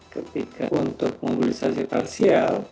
ketika untuk mobilisasi parsial